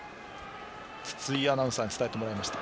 筒井アナウンサーに伝えてもらいました。